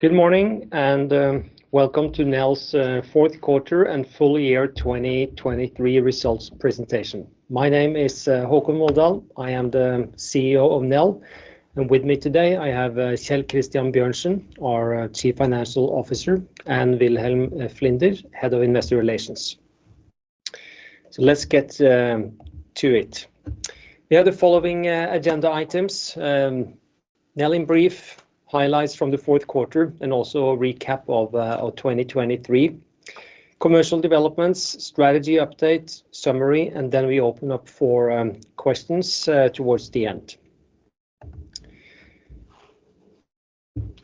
Good morning, and, welcome to Nel's Fourth Quarter and Full Year 2023 Results Presentation. My name is Håkon Volldal. I am the CEO of Nel, and with me today I have Kjell Christian Bjørnsen, our Chief Financial Officer, and Wilhelm Flinder, Head of Investor Relations. So let's get to it. We have the following agenda items. Nel in brief, highlights from the fourth quarter, and also a recap of 2023. Commercial developments, strategy update, summary, and then we open up for questions towards the end.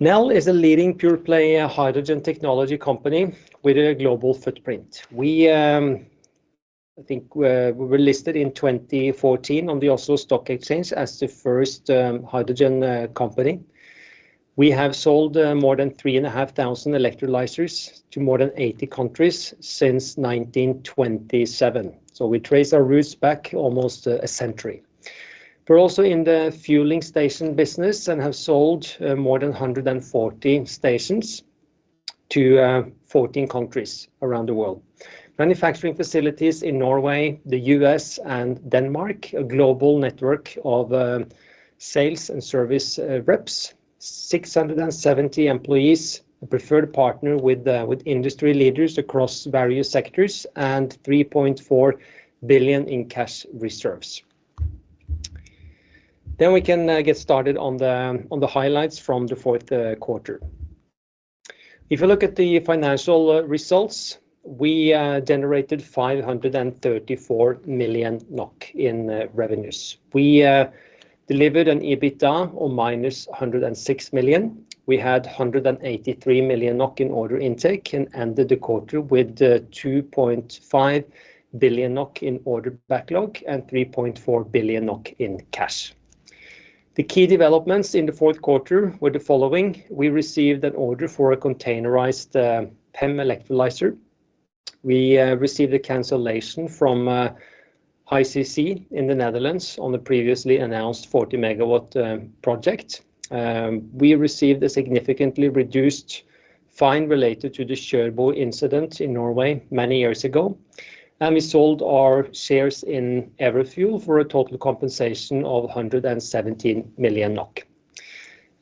Nel is a leading pure-play hydrogen technology company with a global footprint. We, I think, we were listed in 2014 on the Oslo Stock Exchange as the first hydrogen company. We have sold more than 3,500 electrolyzers to more than 80 countries since 1927, so we trace our roots back almost a century. We're also in the fueling station business and have sold more than 114 stations to 14 countries around the world. Manufacturing facilities in Norway, the U.S., and Denmark. A global network of sales and service reps. 670 employees. A preferred partner with industry leaders across various sectors, and 3.4 billion in cash reserves. Then we can get started on the highlights from the fourth quarter. If you look at the financial results, we generated 534 million NOK in revenues. We delivered an EBITDA of -106 million. We had 183 million NOK in order intake, and ended the quarter with 2.5 billion NOK in order backlog and 3.4 billion NOK in cash. The key developments in the fourth quarter were the following: we received an order for a containerized PEM electrolyzer. We received a cancellation from HyCC in the Netherlands on the previously announced 40 MW project. We received a significantly reduced fine related to the Kjørbo incident in Norway many years ago, and we sold our shares in Everfuel for a total compensation of 117 million NOK.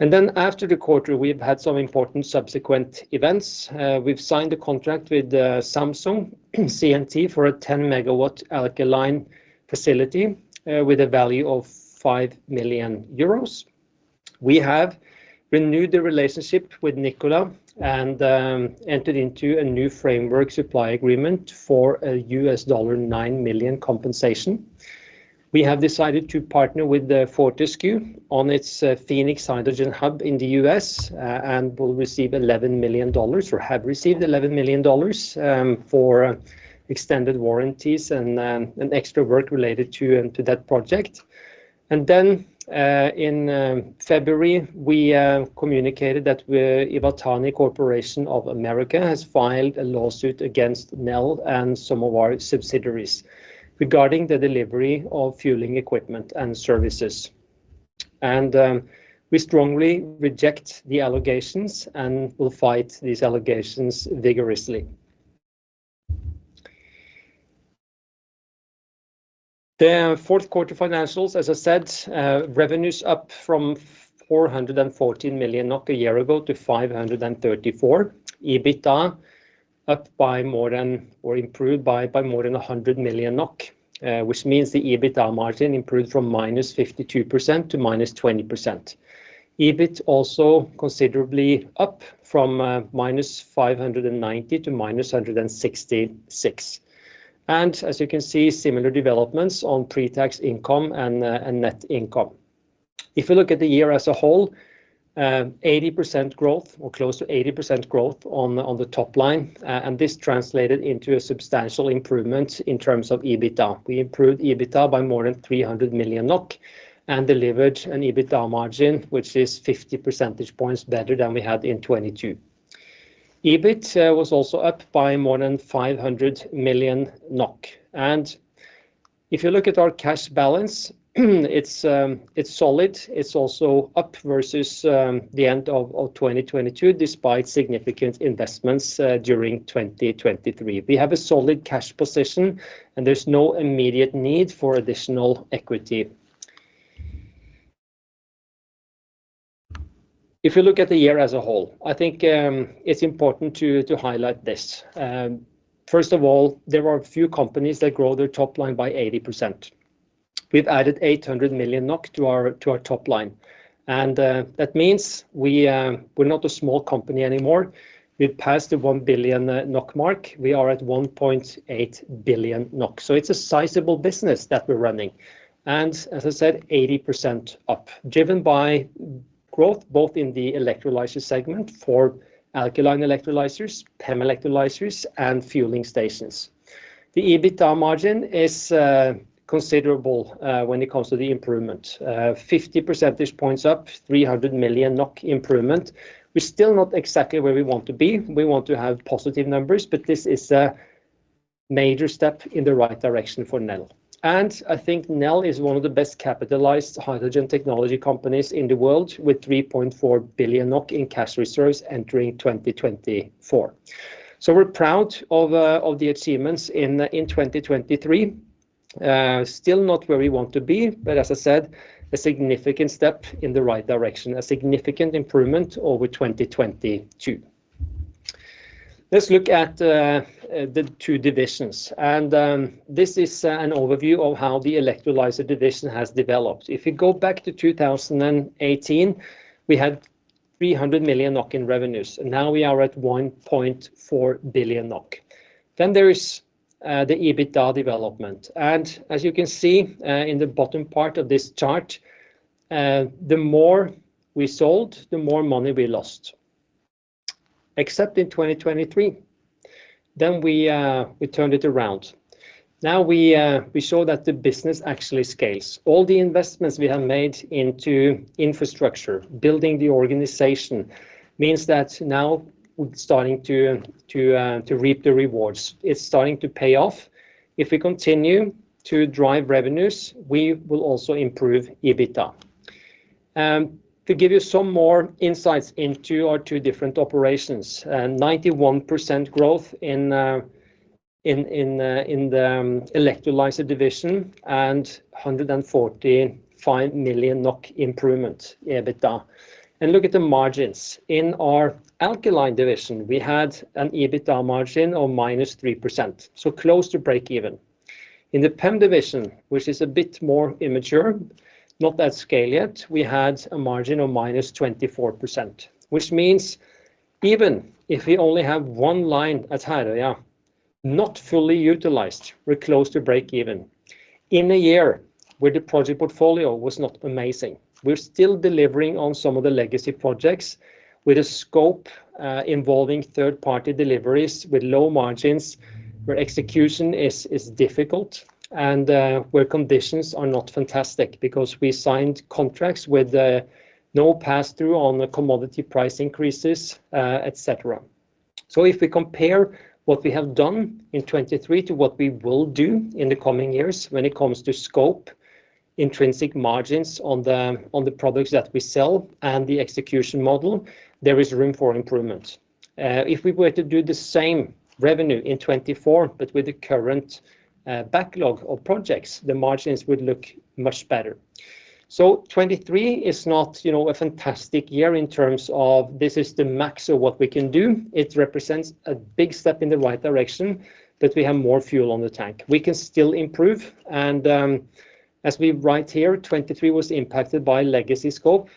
And then after the quarter, we've had some important subsequent events. We've signed a contract with Samsung C&T for a 10 MW alkaline facility with a value of 5 million euros. We have renewed the relationship with Nikola and entered into a new framework supply agreement for a $9 million compensation. We have decided to partner with Fortescue on its Phoenix Hydrogen Hub in the U.S. and will receive $11 million, or have received $11 million, for extended warranties and extra work related to that project. Then in February, we communicated that Iwatani Corporation of America has filed a lawsuit against Nel and some of our subsidiaries regarding the delivery of fueling equipment and services. And we strongly reject the allegations and will fight these allegations vigorously. The fourth quarter financials, as I said, revenues up from 414 million NOK a year ago to 534 million NOK. EBITDA up by more than, or improved by, by more than 100 million NOK, which means the EBITDA margin improved from -52% to -20%. EBIT also considerably up from -590 to -166. And as you can see, similar developments on pre-tax income and, and net income. If you look at the year as a whole, 80% growth, or close to 80% growth on the, on the top line, and this translated into a substantial improvement in terms of EBITDA. We improved EBITDA by more than 300 million NOK and delivered an EBITDA margin, which is 50 percentage points better than we had in 2022. EBIT was also up by more than 500 million NOK. And if you look at our cash balance, it's, it's solid. It's also up versus the end of 2022, despite significant investments during 2023. We have a solid cash position, and there's no immediate need for additional equity. If you look at the year as a whole, I think it's important to highlight this. First of all, there are a few companies that grow their top line by 80%. We've added 800 million NOK to our top line, and that means we're not a small company anymore. We've passed the 1 billion NOK mark. We are at 1.8 billion NOK, so it's a sizable business that we're running. And as I said, 80% up, driven by growth both in the electrolyzer segment for alkaline electrolyzers, PEM electrolyzers, and fueling stations. The EBITDA margin is considerable when it comes to the improvement. 50 percentage points up, 300 million NOK improvement. We're still not exactly where we want to be. We want to have positive numbers, but this is major step in the right direction for Nel. I think Nel is one of the best capitalized hydrogen technology companies in the world, with 3.4 billion NOK in cash reserves entering 2024. So we're proud of the achievements in 2023. Still not where we want to be, but as I said, a significant step in the right direction, a significant improvement over 2022. Let's look at the two divisions. This is an overview of how the electrolyzer division has developed. If you go back to 2018, we had 300 million NOK in revenues, and now we are at 1.4 billion NOK. Then there is the EBITDA development, and as you can see in the bottom part of this chart, the more we sold, the more money we lost. Except in 2023, then we turned it around. Now we show that the business actually scales. All the investments we have made into infrastructure, building the organization, means that now we're starting to reap the rewards. It's starting to pay off. If we continue to drive revenues, we will also improve EBITDA. To give you some more insights into our two different operations, 91% growth in the electrolyzer division, and 145 million NOK improvement in EBITDA. Look at the margins. In our alkaline division, we had an EBITDA margin of -3%, so close to breakeven. In the PEM division, which is a bit more immature, not at scale yet, we had a margin of -24%, which means even if we only have one line at Herøya, not fully utilized, we're close to breakeven. In a year where the project portfolio was not amazing, we're still delivering on some of the legacy projects with a scope involving third-party deliveries with low margins, where execution is difficult and where conditions are not fantastic because we signed contracts with no pass-through on the commodity price increases, et cetera. So if we compare what we have done in 2023 to what we will do in the coming years when it comes to scope, intrinsic margins on the products that we sell, and the execution model, there is room for improvement. If we were to do the same revenue in 2024, but with the current backlog of projects, the margins would look much better. So 2023 is not, you know, a fantastic year in terms of this is the max of what we can do. It represents a big step in the right direction, that we have more fuel on the tank. We can still improve, and, as we write here, 2023 was impacted by legacy scope,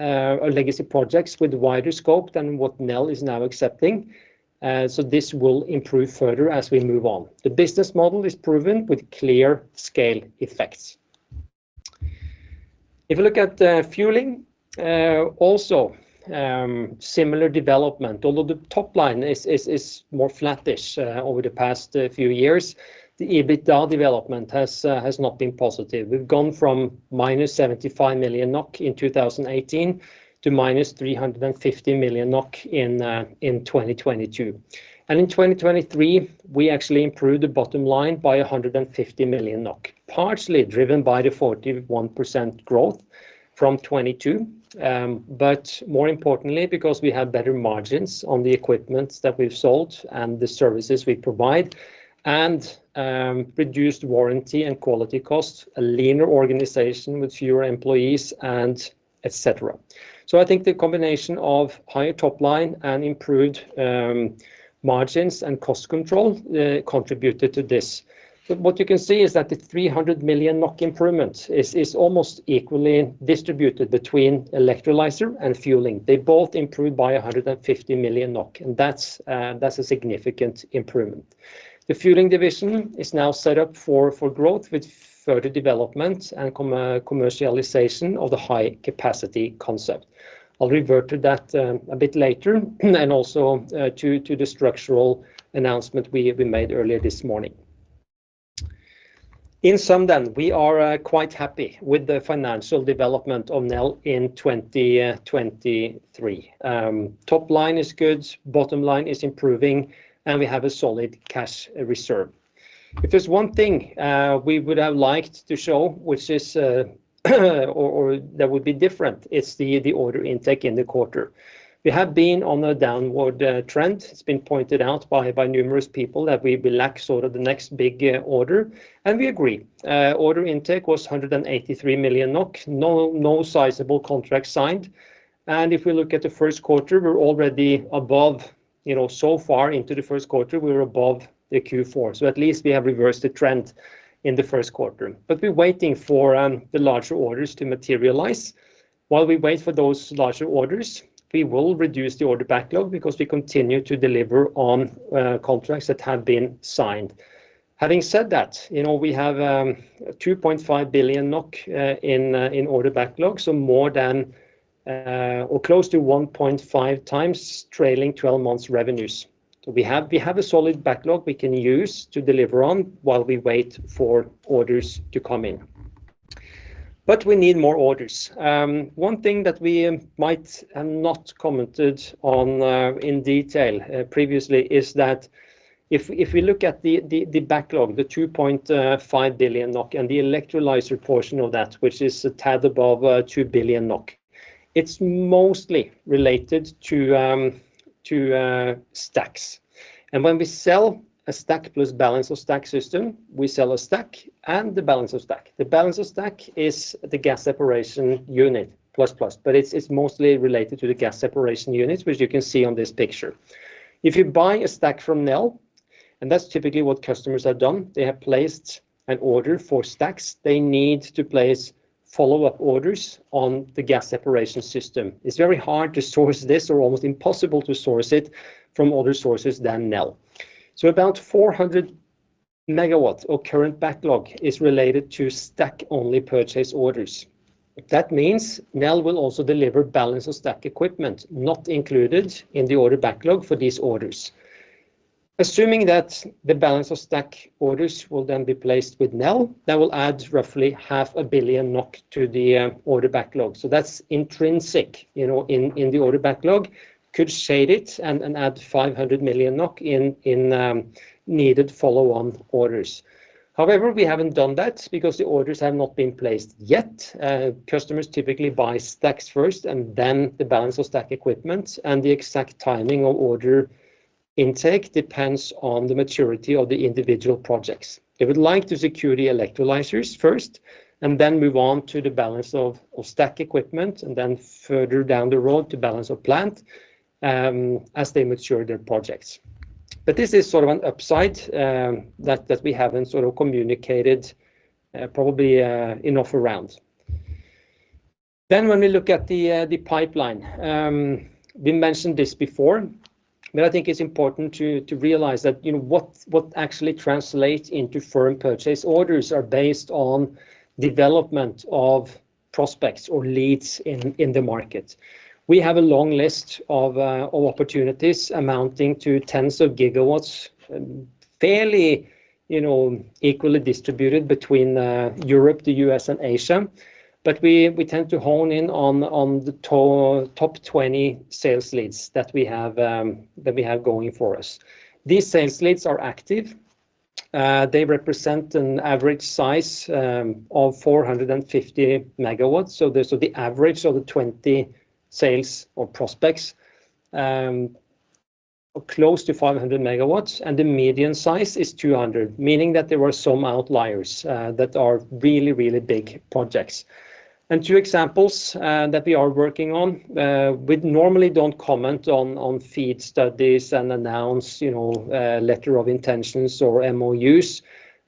or legacy projects with wider scope than what Nel is now accepting. So this will improve further as we move on. The business model is proven with clear scale effects. If you look at, fueling, also, similar development, although the top line is, is, is more flattish, over the past few years, the EBITDA development has, has not been positive. We've gone from -75 million NOK in 2018 to -350 million NOK in, in 2022. In 2023, we actually improved the bottom line by 150 million NOK, partially driven by the 41% growth from 2022. But more importantly, because we have better margins on the equipment that we've sold and the services we provide and reduced warranty and quality costs, a leaner organization with fewer employees, and et cetera. So I think the combination of higher top line and improved margins and cost control contributed to this. What you can see is that the 300 million NOK improvement is almost equally distributed between electrolyzer and fueling. They both improved by 150 million NOK, and that's a significant improvement. The fueling division is now set up for growth, with further development and commercialization of the high-capacity concept. I'll revert to that a bit later, and also to the structural announcement we made earlier this morning. In sum then, we are quite happy with the financial development of Nel in 2023. Top line is good, bottom line is improving, and we have a solid cash reserve. If there's one thing we would have liked to show, which is or that would be different, it's the order intake in the quarter. We have been on a downward trend. It's been pointed out by numerous people that we lack sort of the next big order, and we agree. Order intake was 183 million NOK, no sizable contract signed. And if we look at the first quarter, we're already above... You know, so far into the first quarter, we're above the Q4. So at least we have reversed the trend in the first quarter. But we're waiting for the larger orders to materialize. While we wait for those larger orders, we will reduce the order backlog because we continue to deliver on contracts that have been signed. Having 12 months revenues. So we have a solid backlog we can use to deliver on while we wait for orders to come in... but we need more orders. One thing that we might have not commented on in detail previously is that if we look at the backlog, the 2.5 billion NOK and the electrolyzer portion of that, which is a tad above 2 billion NOK, it's mostly related to stacks. And when we sell a stack plus balance of stack system, we sell a stack and the balance of stack. The balance of stack is the gas separation unit plus, but it's mostly related to the gas separation units, which you can see on this picture. If you buy a stack from Nel, and that's typically what customers have done, they have placed an order for stacks, they need to place follow-up orders on the gas separation system. It's very hard to source this or almost impossible to source it from other sources than Nel. So about 400 MW of current backlog is related to stack-only purchase orders. That means Nel will also deliver balance-of-stack equipment not included in the order backlog for these orders. Assuming that the balance of stack orders will then be placed with Nel, that will add roughly 500 million NOK to the order backlog. So that's intrinsic, you know, in the order backlog, could shade it and add 500 million NOK in needed follow-on orders. However, we haven't done that because the orders have not been placed yet. Customers typically buy stacks first and then the balance of stack equipment, and the exact timing of order intake depends on the maturity of the individual projects. They would like to secure the electrolyzers first and then move on to the balance of stack equipment, and then further down the road, the balance of plant, as they mature their projects. But this is sort of an upside, that we haven't sort of communicated, probably, enough around. Then when we look at the pipeline, we mentioned this before, but I think it's important to realize that, you know, what actually translates into firm purchase orders are based on development of prospects or leads in the market. We have a long list of opportunities amounting to tens of gigawatts, fairly, you know, equally distributed between Europe, the U.S., and Asia. But we tend to hone in on the top 20 sales leads that we have going for us. These sales leads are active. They represent an average size of 450 MW. So the average of the 20 sales or prospects are close to 500 MW, and the median size is 200, meaning that there are some outliers that are really, really big projects. And 2 examples that we are working on, we normally don't comment on FEED studies and announce, you know, letter of intentions or MOUs,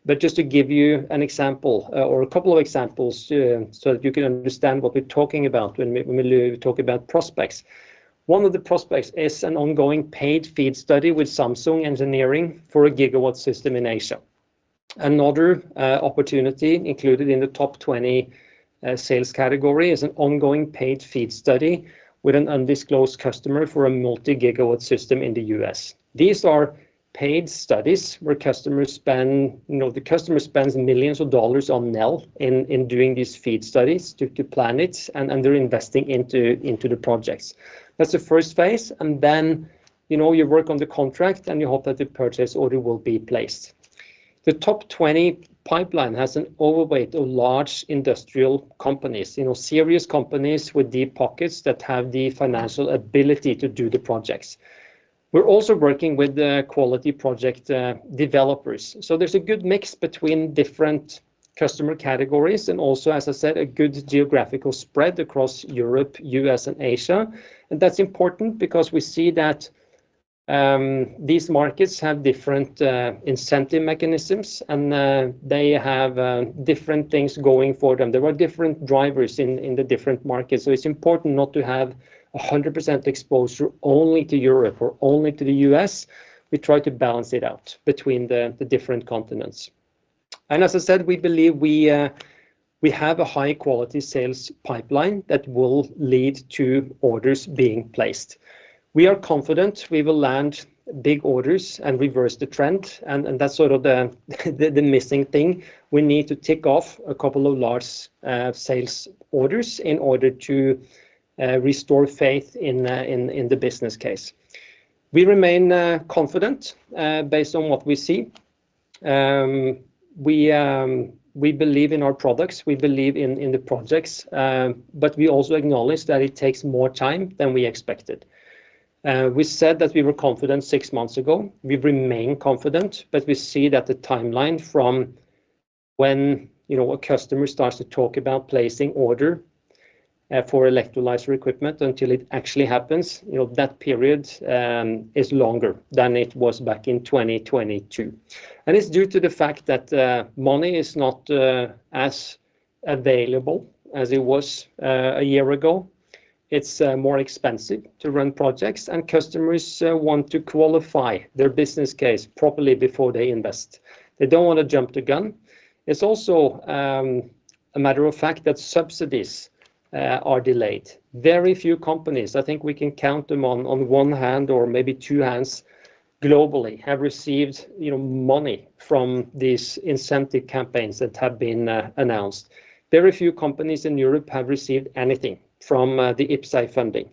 but just to give you an example or a couple of examples so that you can understand what we're talking about when we talk about prospects. One of the prospects is an ongoing paid FEED study with Samsung Engineering for a gigawatt system in Asia. Another opportunity included in the top 20 sales category is an ongoing paid FEED study with an undisclosed customer for a multi-gigawatt system in the U.S. These are paid studies where customers spend, you know, the customer spends $ millions on Nel in doing these FEED studies to plan it, and they're investing into the projects. That's the first phase, and then, you know, you work on the contract, and you hope that the purchase order will be placed. The top 20 pipeline has an overweight of large industrial companies, you know, serious companies with deep pockets that have the financial ability to do the projects. We're also working with the quality project developers. So there's a good mix between different customer categories and also, as I said, a good geographical spread across Europe, U.S., and Asia. And that's important because we see that these markets have different incentive mechanisms, and they have different things going for them. There are different drivers in the different markets, so it's important not to have 100% exposure only to Europe or only to the U.S. We try to balance it out between the different continents. And as I said, we believe we have a high-quality sales pipeline that will lead to orders being placed. We are confident we will land big orders and reverse the trend, and that's sort of the missing thing. We need to tick off a couple of large sales orders in order to restore faith in the business case. We remain confident based on what we see. We believe in our products. We believe in the projects, but we also acknowledge that it takes more time than we expected. We said that we were confident six months ago. We remain confident, but we see that the timeline from when, you know, a customer starts to talk about placing order for electrolyzer equipment until it actually happens, you know, that period is longer than it was back in 2022. And it's due to the fact that money is not as available as it was a year ago. It's more expensive to run projects, and customers want to qualify their business case properly before they invest. They don't want to jump the gun. It's also a matter of fact that subsidies are delayed. Very few companies, I think we can count them on one hand or maybe two hands globally have received, you know, money from these incentive campaigns that have been announced. Very few companies in Europe have received anything from the IPCEI funding.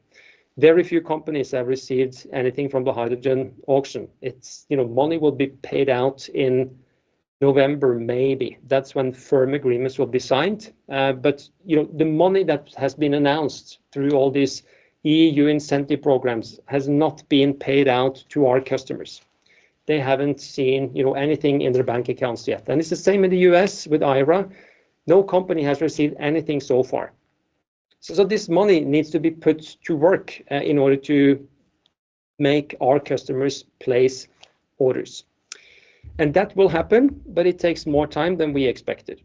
Very few companies have received anything from the hydrogen auction. It's, you know, money will be paid out in November, maybe. That's when firm agreements will be signed. But, you know, the money that has been announced through all these EU incentive programs has not been paid out to our customers. They haven't seen, you know, anything in their bank accounts yet, and it's the same in the U.S. with IRA. No company has received anything so far. So this money needs to be put to work in order to make our customers place orders. And that will happen, but it takes more time than we expected.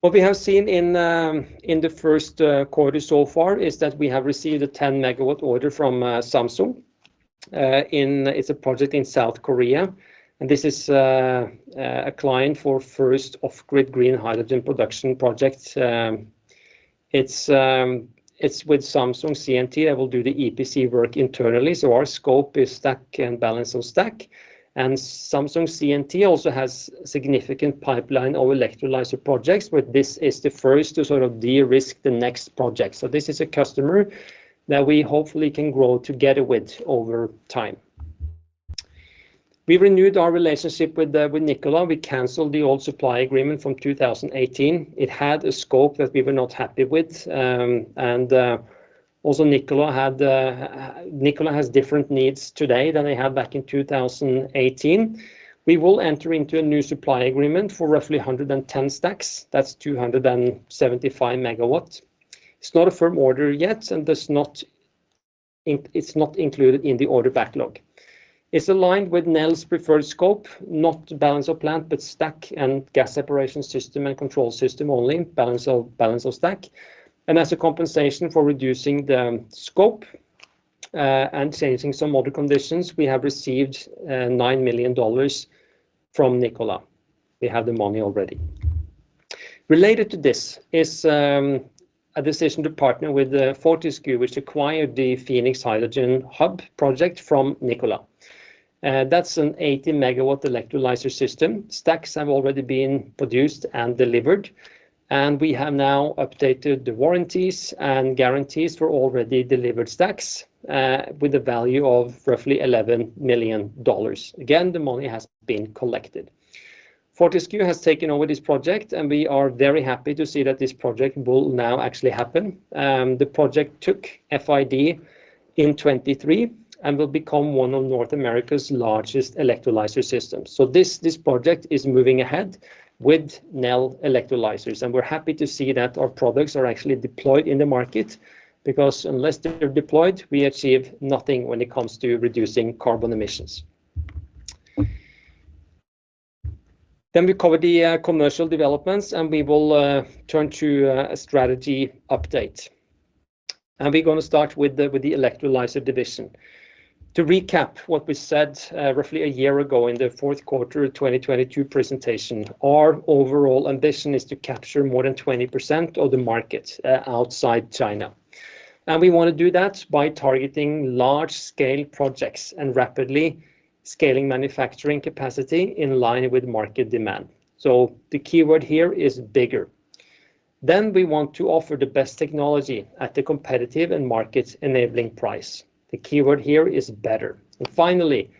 What we have seen in the first quarter so far is that we have received a 10 MW order from Samsung. It's a project in South Korea, and this is a client for first off-grid green hydrogen production project. It's with Samsung C&T that will do the EPC work internally, so our scope is stack and balance of stack. And Samsung C&T also has significant pipeline of electrolyzer projects, but this is the first to sort of de-risk the next project. This is a customer that we hopefully can grow together with over time. We renewed our relationship with Nikola. We canceled the old supply agreement from 2018. It had a scope that we were not happy with. Nikola has different needs today than they had back in 2018. We will enter into a new supply agreement for roughly 110 stacks. That's 275 MW. It's not a firm order yet, and it's not included in the order backlog. It's aligned with Nel's preferred scope, not balance of plant, but stack and gas separation system and control system only, balance of stack. And as a compensation for reducing the scope, and changing some other conditions, we have received $9 million from Nikola. We have the money already. Related to this is a decision to partner with Fortescue, which acquired the Phoenix Hydrogen Hub project from Nikola. That's an 80 MW electrolyzer system. Stacks have already been produced and delivered, and we have now updated the warranties and guarantees for already delivered stacks with a value of roughly $11 million. Again, the money has been collected. Fortescue has taken over this project, and we are very happy to see that this project will now actually happen. The project took FID in 2023 and will become one of North America's largest electrolyzer systems. So this, this project is moving ahead with Nel electrolyzers, and we're happy to see that our products are actually deployed in the market, because unless they're deployed, we achieve nothing when it comes to reducing carbon emissions. Then we cover the commercial developments, and we will turn to a strategy update. And we're gonna start with the electrolyzer division. To recap what we said, roughly a year ago in the fourth quarter of 2022 presentation, our overall ambition is to capture more than 20% of the market outside China. And we wanna do that by targeting large-scale projects and rapidly scaling manufacturing capacity in line with market demand. So the keyword here is bigger. Then, we want to offer the best technology at a competitive and market-enabling price. The keyword here is better. And finally,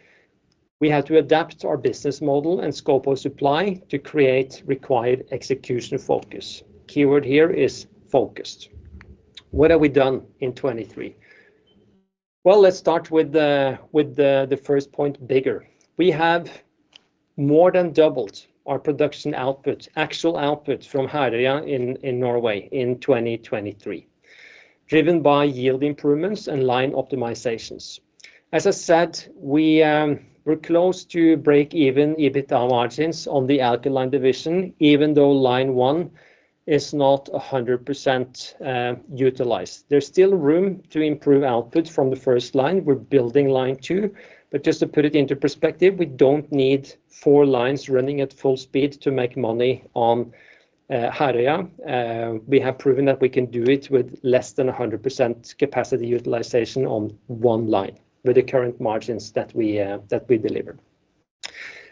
we have to adapt our business model and scope of supply to create required execution focus. Keyword here is focused. What have we done in 2023? Well, let's start with the first point, bigger. We have more than doubled our production output, actual output from Herøya in Norway in 2023, driven by yield improvements and line optimizations. As I said, we're close to break-even EBITDA margins on the Alkaline division, even though line one is not 100% utilized. There's still room to improve output from the first line. We're building line two, but just to put it into perspective, we don't need four lines running at full speed to make money on Herøya. We have proven that we can do it with less than 100% capacity utilization on one line with the current margins that we deliver.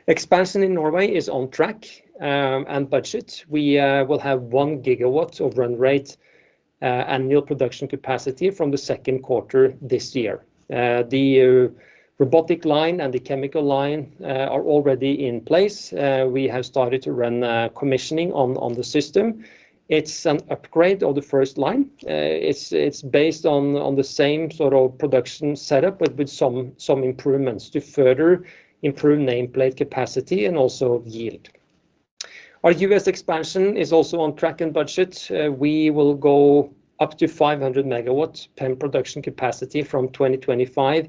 Expansion in Norway is on track and budget. We will have one gigawatts of run rate annual production capacity from the second quarter this year. The robotic line and the chemical line are already in place. We have started to run commissioning on the system. It's an upgrade of the first line. It's based on the same sort of production setup, but with some improvements to further improve nameplate capacity and also yield. Our U.S. expansion is also on track and budget. We will go up to 500 MW PEM production capacity from 2025.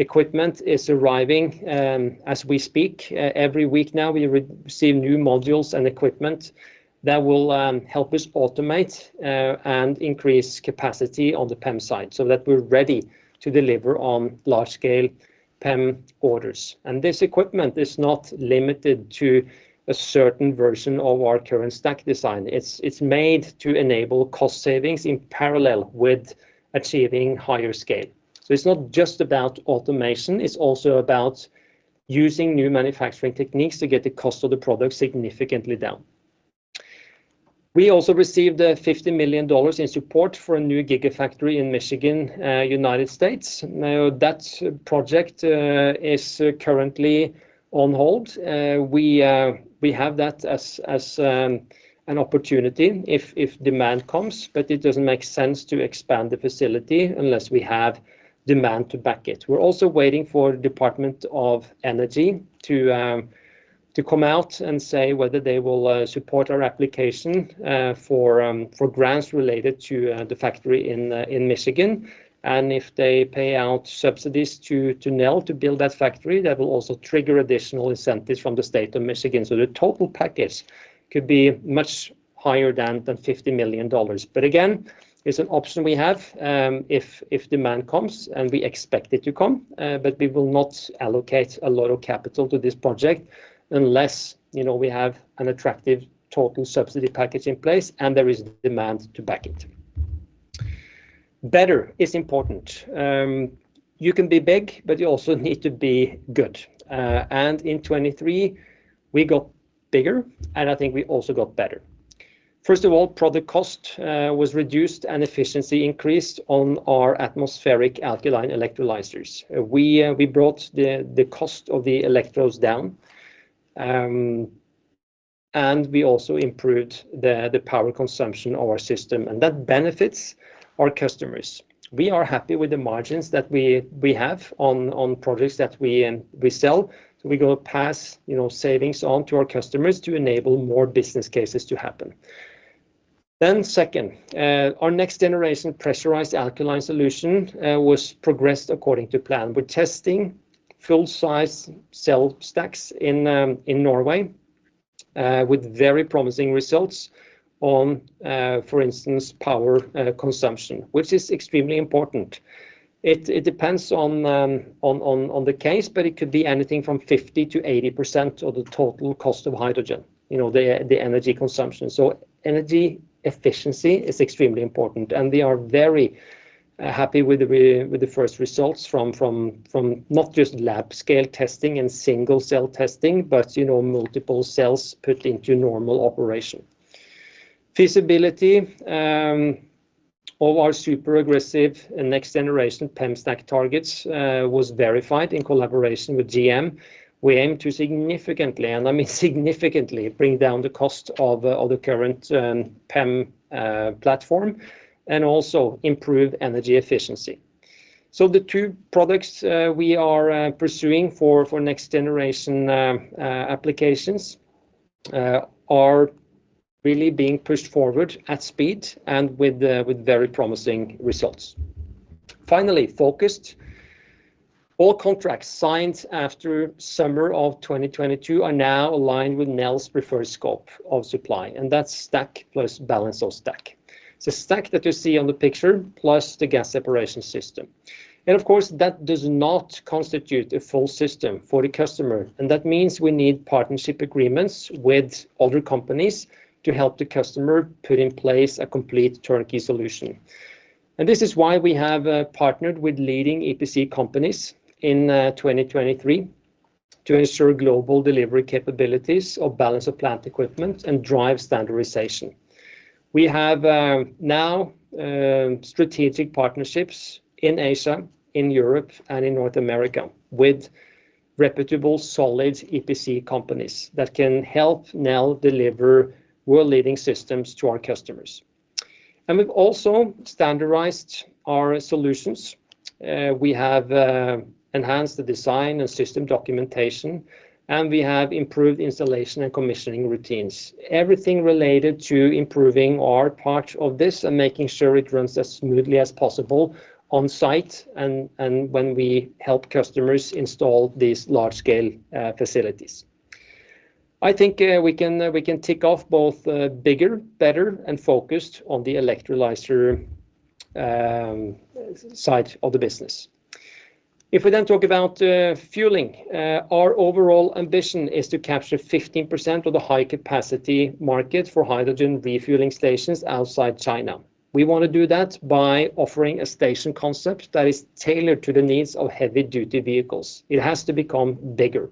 Equipment is arriving as we speak. Every week now, we receive new modules and equipment that will help us automate and increase capacity on the PEM site, so that we're ready to deliver on large-scale PEM orders. This equipment is not limited to a certain version of our current stack design. It's made to enable cost savings in parallel with achieving higher scale. So it's not just about automation, it's also about using new manufacturing techniques to get the cost of the product significantly down. We also received $50 million in support for a new gigafactory in Michigan, United States. Now, that project is currently on hold. We have that as an opportunity if demand comes, but it doesn't make sense to expand the facility unless we have demand to back it. We're also waiting for Department of Energy to come out and say whether they will support our application for grants related to the factory in Michigan. And if they pay out subsidies to Nel to build that factory, that will also trigger additional incentives from the state of Michigan. So the total package could be much higher than $50 million. But again, it's an option we have, if demand comes, and we expect it to come, but we will not allocate a lot of capital to this project unless, you know, we have an attractive total subsidy package in place, and there is demand to back it. Better is important. You can be big, but you also need to be good. In 2023, we got bigger, and I think we also got better. First of all, product cost was reduced and efficiency increased on our atmospheric alkaline electrolyzers. We brought the cost of the electrodes down, and we also improved the power consumption of our system, and that benefits our customers. We are happy with the margins that we have on products that we sell, so we gonna pass, you know, savings on to our customers to enable more business cases to happen. Then second, our next-generation pressurized alkaline solution was progressed according to plan. We're testing full-size cell stacks in Norway with very promising results on, for instance, power consumption, which is extremely important. It depends on the case, but it could be anything from 50%-80% of the total cost of hydrogen, you know, the energy consumption. So energy efficiency is extremely important, and we are very happy with the first results from not just lab-scale testing and single-cell testing, but, you know, multiple cells put into normal operation. Feasibility of our super aggressive and next-generation PEM stack targets was verified in collaboration with GM. We aim to significantly, and I mean significantly, bring down the cost of the current PEM platform, and also improve energy efficiency. So the two products we are pursuing for next-generation applications are really being pushed forward at speed and with very promising results. Finally, focused. All contracts signed after summer of 2022 are now aligned with Nel's preferred scope of supply, and that's stack plus balance of stack. It's the stack that you see on the picture, plus the gas separation system. And of course, that does not constitute a full system for the customer, and that means we need partnership agreements with other companies to help the customer put in place a complete turnkey solution. And this is why we have partnered with leading EPC companies in 2023 to ensure global delivery capabilities of balance of plant equipment and drive standardization. We have now strategic partnerships in Asia, in Europe, and in North America, with reputable, solid EPC companies that can help Nel deliver world-leading systems to our customers. And we've also standardized our solutions. We have enhanced the design and system documentation, and we have improved installation and commissioning routines, everything related to improving our part of this and making sure it runs as smoothly as possible on-site and when we help customers install these large-scale facilities. I think we can tick off both bigger, better, and focused on the electrolyzer side of the business. If we then talk about fueling, our overall ambition is to capture 15% of the high-capacity market for hydrogen refueling stations outside China. We wanna do that by offering a station concept that is tailored to the needs of heavy-duty vehicles. It has to become bigger.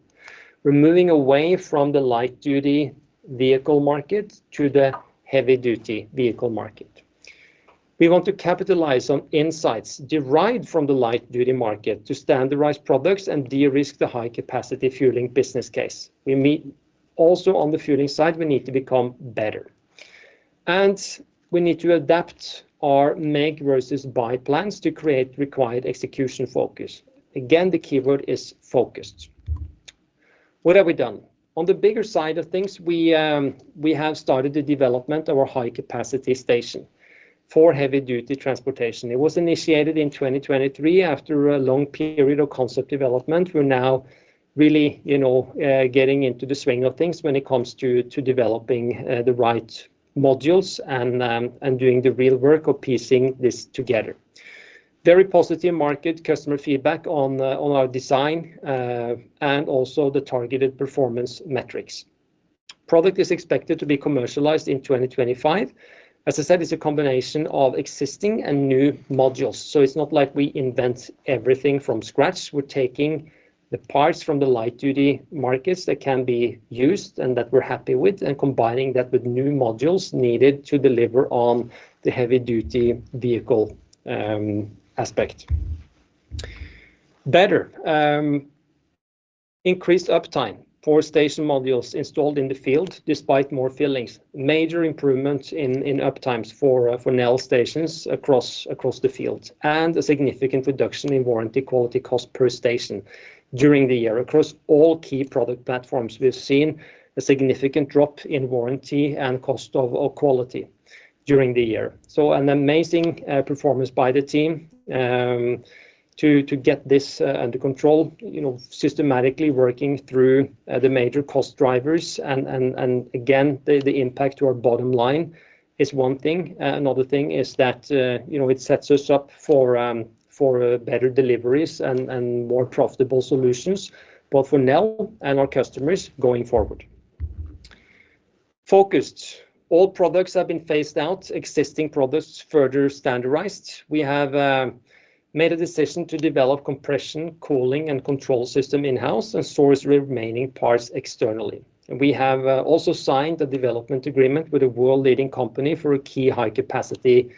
We're moving away from the light-duty vehicle market to the heavy-duty vehicle market. We want to capitalize on insights derived from the light-duty market to standardize products and de-risk the high-capacity fueling business case. We need... Also, on the fueling side, we need to become better, and we need to adapt our make versus buy plans to create required execution focus. Again, the keyword is focused. What have we done? On the bigger side of things, we, we have started the development of a high-capacity station for heavy-duty transportation. It was initiated in 2023 after a long period of concept development. We're now really, you know, getting into the swing of things when it comes to developing the right modules and doing the real work of piecing this together. Very positive market customer feedback on our design and also the targeted performance metrics. Product is expected to be commercialized in 2025. As I said, it's a combination of existing and new modules, so it's not like we invent everything from scratch. We're taking the parts from the light-duty markets that can be used and that we're happy with, and combining that with new modules needed to deliver on the heavy-duty vehicle aspect. Better increased uptime for station modules installed in the field, despite more fillings. Major improvements in uptimes for Nel stations across the field, and a significant reduction in warranty quality cost per station during the year. Across all key product platforms, we've seen a significant drop in warranty and cost of quality during the year. So an amazing performance by the team to get this under control. You know, systematically working through the major cost drivers and again, the impact to our bottom line is one thing. Another thing is that you know, it sets us up for better deliveries and more profitable solutions, both for Nel and our customers going forward. Focused, all products have been phased out, existing products further standardized. We have made a decision to develop compression, cooling, and control system in-house and source remaining parts externally. We have also signed a development agreement with a world-leading company for a key high-capacity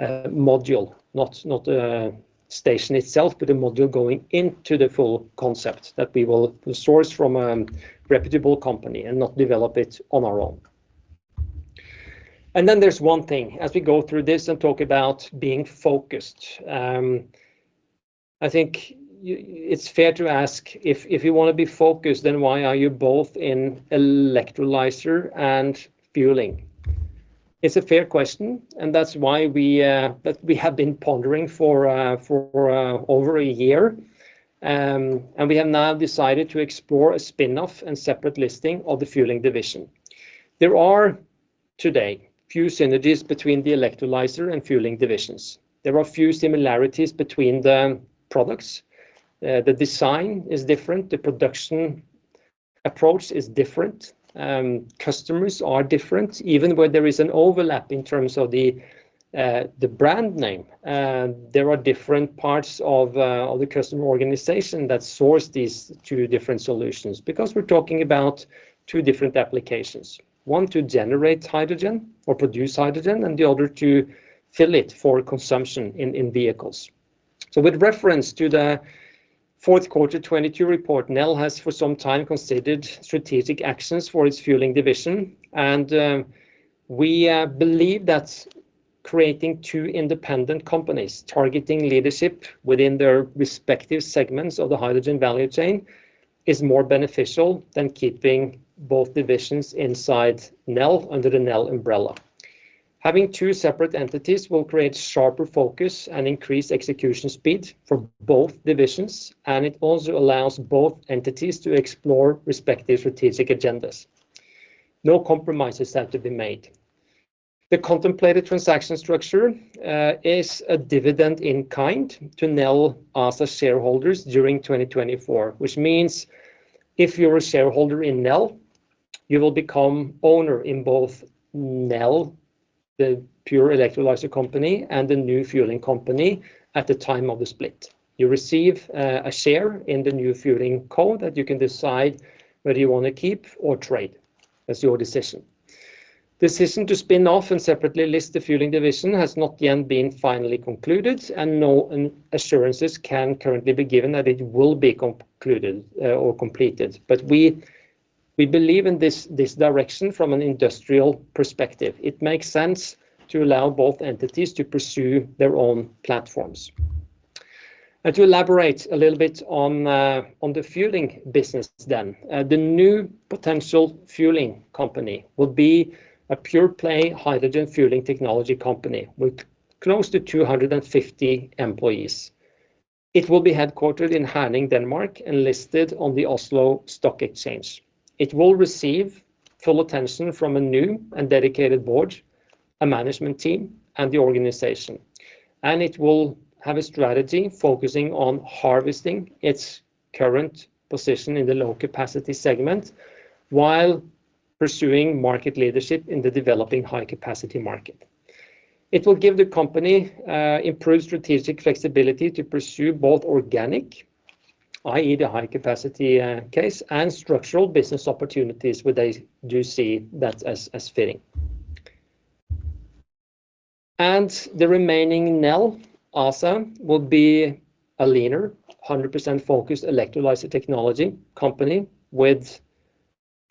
module. Not a station itself, but a module going into the full concept that we will source from a reputable company and not develop it on our own. And then there's one thing, as we go through this and talk about being focused, I think it's fair to ask, "If you wanna be focused, then why are you both in electrolyzer and fueling?" It's a fair question, and that's why we that we have been pondering for over a year. And we have now decided to explore a spin-off and separate listing of the fueling division. There are today few synergies between the electrolyzer and fueling divisions. There are few similarities between the products. The design is different, the production approach is different, customers are different. Even where there is an overlap in terms of the brand name, there are different parts of the customer organization that source these two different solutions, because we're talking about two different applications. One, to generate hydrogen or produce hydrogen, and the other, to fill it for consumption in vehicles. So with reference to the fourth quarter 2022 report, Nel has for some time considered strategic actions for its fueling division. And, we believe that creating two independent companies, targeting leadership within their respective segments of the hydrogen value chain, is more beneficial than keeping both divisions inside Nel under the Nel umbrella. Having two separate entities will create sharper focus and increase execution speed for both divisions, and it also allows both entities to explore respective strategic agendas. No compromises have to be made. The contemplated transaction structure is a dividend in kind to Nel as the shareholders during 2024, which means if you're a shareholder in Nel, you will become owner in both Nel, the pure electrolyzer company, and the new fueling company at the time of the split. You receive a share in the new fueling co., that you can decide whether you wanna keep or trade. That's your decision. Decision to spin off and separately list the fueling division has not yet been finally concluded, and no assurances can currently be given that it will be concluded or completed. But we, we believe in this, this direction from an industrial perspective. It makes sense to allow both entities to pursue their own platforms. And to elaborate a little bit on, on the fueling business then, the new potential fueling company will be a pure-play hydrogen fueling technology company with close to 250 employees. It will be headquartered in Herning, Denmark, and listed on the Oslo Stock Exchange. It will receive full attention from a new and dedicated board, a management team, and the organization. And it will have a strategy focusing on harvesting its current position in the low-capacity segment while pursuing market leadership in the developing high-capacity market. It will give the company, improved strategic flexibility to pursue both organic, i.e., the high-capacity, case, and structural business opportunities where they do see that as, as fitting. The remaining Nel ASA will be a leaner, 100% focused electrolyzer technology company with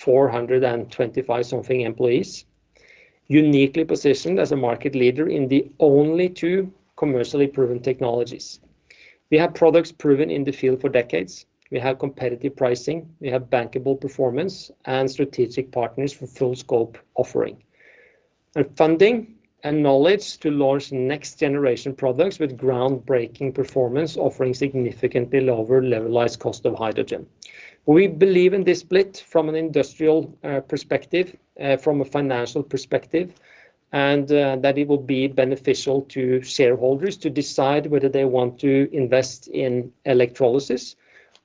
425-something employees, uniquely positioned as a market leader in the only two commercially proven technologies. We have products proven in the field for decades. We have competitive pricing, we have bankable performance and strategic partners for full scope offering, and funding and knowledge to launch next-generation products with groundbreaking performance, offering significantly lower levelized cost of hydrogen. We believe in this split from an industrial perspective, from a financial perspective, and that it will be beneficial to shareholders to decide whether they want to invest in electrolysis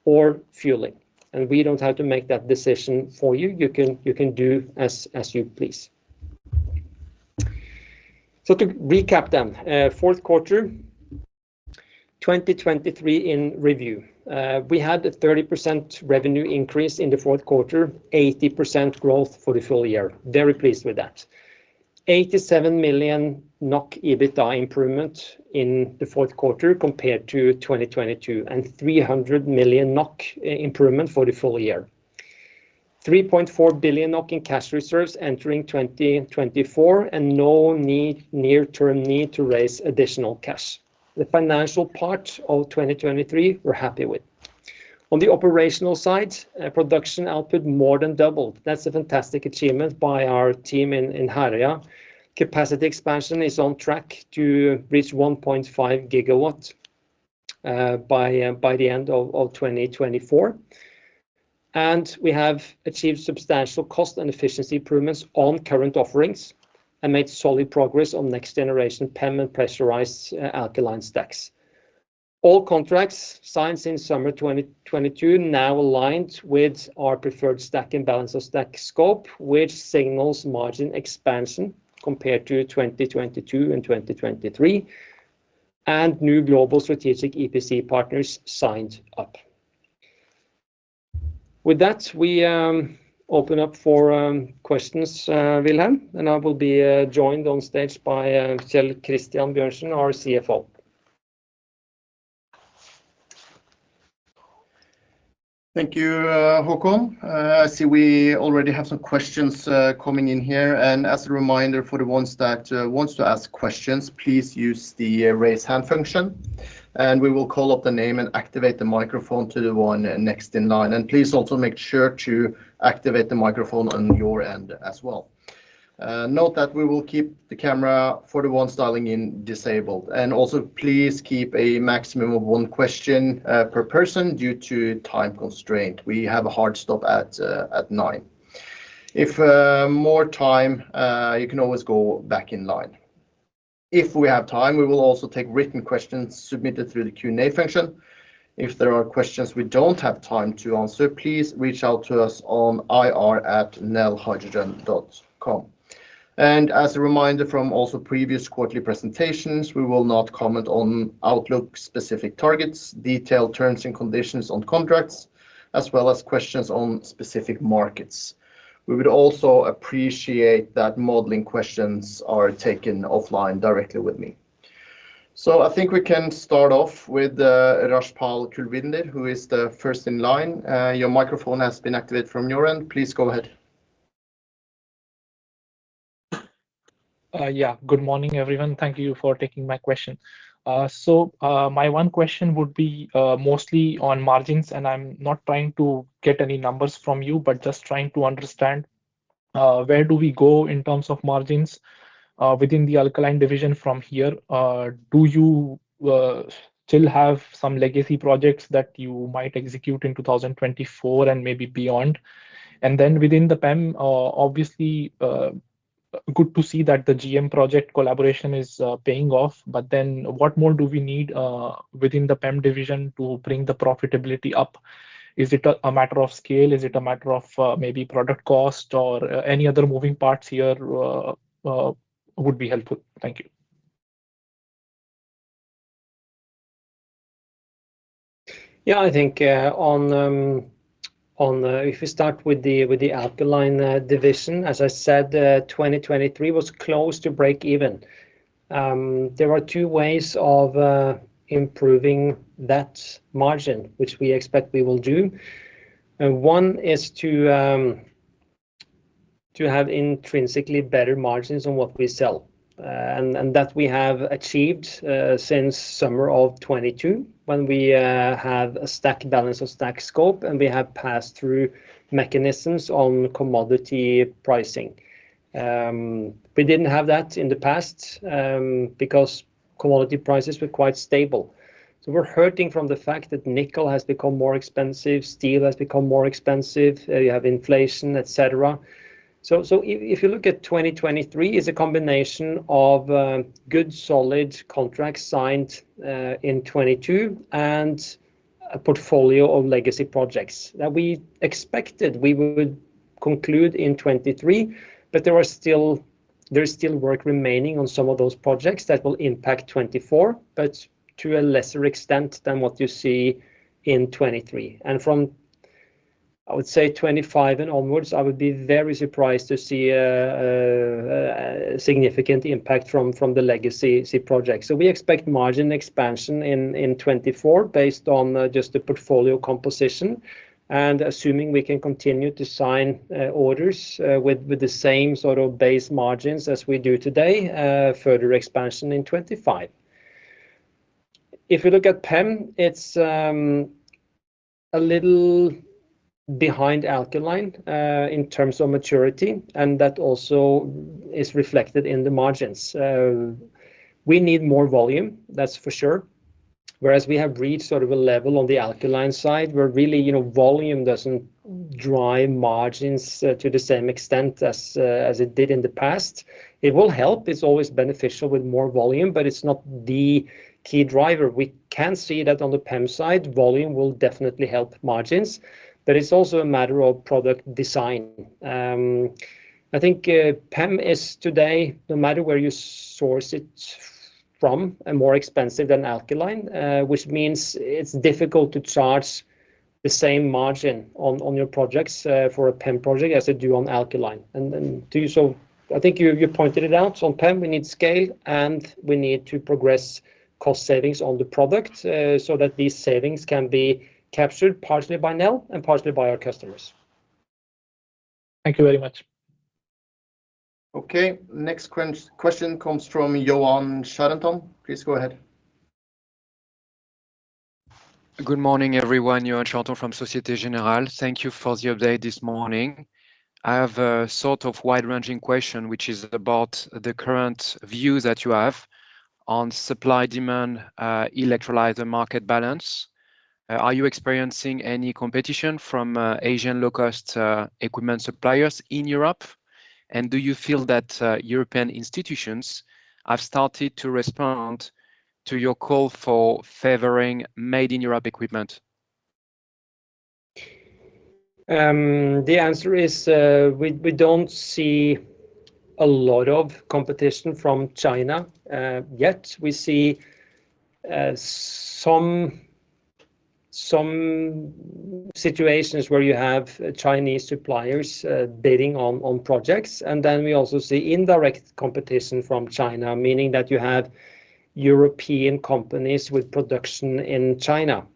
or fueling. We don't have to make that decision for you. You can do as you please. To recap, fourth quarter 2023 in review. We had a 30% revenue increase in the fourth quarter, 80% growth for the full year. Very pleased with that. 87 million NOK EBITDA improvement in the fourth quarter compared to 2022, and 300 million NOK improvement for the full year. 3.4 billion NOK in cash reserves entering 2024, and no need, near-term need to raise additional cash. The financial part of 2023, we're happy with. On the operational side, production output more than doubled. That's a fantastic achievement by our team in Herøya. Capacity expansion is on track to reach 1.5 gigawatts by the end of 2024. And we have achieved substantial cost and efficiency improvements on current offerings, and made solid progress on next generation PEM and pressurized alkaline stacks. All contracts signed since summer 2022 now aligned with our preferred stack and balance of stack scope, which signals margin expansion compared to 2022 and 2023, and new global strategic EPC partners signed up. With that, we open up for questions, Wilhelm, and I will be joined on stage by Kjell Christian Bjørnsen, our CFO. Thank you, Håkon. I see we already have some questions coming in here. As a reminder, for the ones that wants to ask questions, please use the Raise Hand function, and we will call up the name and activate the microphone to the one next in line. Please also make sure to activate the microphone on your end as well. Note that we will keep the camera for the ones dialing in disabled. Also, please keep a maximum of one question per person due to time constraint. We have a hard stop at 9:00 A.M. If more time, you can always go back in line. If we have time, we will also take written questions submitted through the Q&A function. If there are questions we don't have time to answer, please reach out to us on ir@nelhydrogen.com. As a reminder from also previous quarterly presentations, we will not comment on outlook-specific targets, detailed terms and conditions on contracts, as well as questions on specific markets. We would also appreciate that modeling questions are taken offline directly with me. I think we can start off with Kulwinder Rajpal, who is the first in line. Your microphone has been activated from your end. Please go ahead. Yeah, good morning, everyone. Thank you for taking my question. So, my one question would be mostly on margins, and I'm not trying to get any numbers from you, but just trying to understand where do we go in terms of margins within the Alkaline division from here? Do you still have some legacy projects that you might execute in 2024, and maybe beyond? And then within the PEM, obviously, good to see that the GM project collaboration is paying off, but then what more do we need within the PEM division to bring the profitability up? Is it a matter of scale? Is it a matter of maybe product cost or any other moving parts here? Would be helpful. Thank you. Yeah, I think, on, on the. If you start with the, with the Alkaline division, as I said, 2023 was close to breakeven. There are two ways of improving that margin, which we expect we will do. One is to have intrinsically better margins on what we sell. And that we have achieved since summer of 2022, when we have a stack balance of stack scope, and we have passed through mechanisms on commodity pricing. We didn't have that in the past because commodity prices were quite stable. So we're hurting from the fact that nickel has become more expensive, steel has become more expensive, you have inflation, et cetera. So, if you look at 2023, it's a combination of good, solid contracts signed in 2022, and a portfolio of legacy projects that we expected we would conclude in 2023, but there is still work remaining on some of those projects that will impact 2024, but to a lesser extent than what you see in 2023. And from, I would say 2025 and onwards, I would be very surprised to see a significant impact from the legacy projects. So we expect margin expansion in 2024, based on just the portfolio composition, and assuming we can continue to sign orders with the same sort of base margins as we do today, further expansion in 2025. If you look at PEM, it's a little behind Alkaline in terms of maturity, and that also is reflected in the margins. We need more volume, that's for sure. Whereas we have reached sort of a level on the Alkaline side, where really, you know, volume doesn't drive margins to the same extent as it did in the past. It will help. It's always beneficial with more volume, but it's not the key driver. We can see that on the PEM side, volume will definitely help margins, but it's also a matter of product design. I think PEM is today, no matter where you source it from, and more expensive than alkaline, which means it's difficult to charge the same margin on, on your projects for a PEM project as you do on alkaline. So I think you pointed it out. So on PEM, we need scale, and we need to progress cost savings on the product, so that these savings can be captured partially by Nel and partially by our customers. Thank you very much. Okay, next question comes from Yoann Charenton. Please go ahead. Good morning, everyone. Yoann Charenton from Société Générale. Thank you for the update this morning. I have a sort of wide-ranging question, which is about the current view that you have on supply-demand, electrolyzer market balance. Are you experiencing any competition from, Asian low-cost, equipment suppliers in Europe? And do you feel that, European institutions have started to respond to your call for favoring made-in-Europe equipment? The answer is, we don't see a lot of competition from China, yet. We see some situations where you have Chinese suppliers bidding on projects, and then we also see indirect competition from China, meaning that you have European companies with production in China,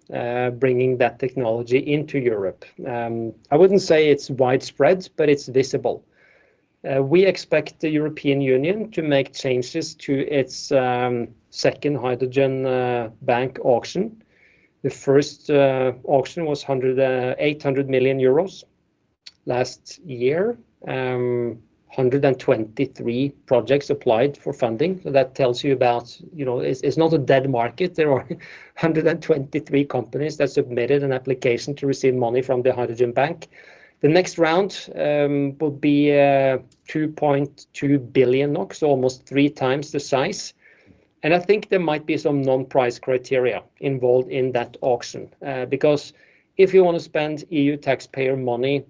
bringing that technology into Europe. I wouldn't say it's widespread, but it's visible. We expect the European Union to make changes to its second Hydrogen Bank auction. The first auction was 800 million euros last year. 123 projects applied for funding, so that tells you about, you know, it's not a dead market. There are 123 companies that submitted an application to receive money from the Hydrogen Bank. The next round will be 2.2 billion NOK, so almost three times the size, and I think there might be some non-price criteria involved in that auction. Because if you want to spend EU taxpayer money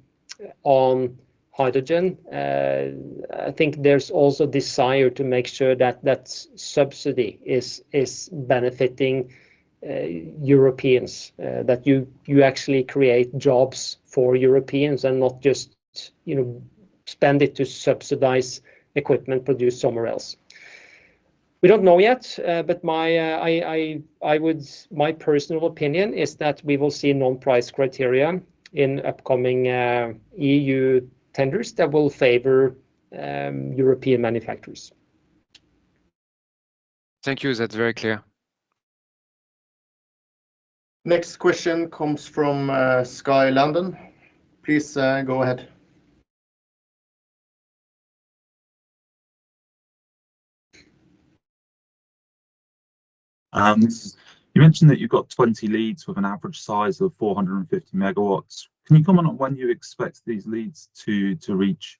on hydrogen, I think there's also desire to make sure that that subsidy is benefiting Europeans, that you actually create jobs for Europeans and not just, you know, spend it to subsidize equipment produced somewhere else. We don't know yet, but I would, My personal opinion is that we will see non-price criteria in upcoming EU tenders that will favor European manufacturers. Thank you. That's very clear. Next question comes from Skye Landon. Please go ahead. You mentioned that you've got 20 leads with an average size of 450 MW. Can you comment on when you expect these leads to reach